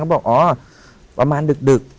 บอกอ๋อประมาณดึก